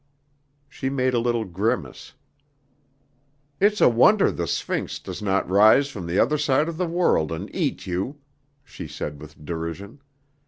She made a little grimace. "It's a wonder the Sphinx does not rise from the other side of the world and eat you," she said with derision.